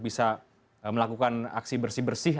bisa melakukan aksi bersih bersih